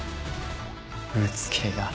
うつけが。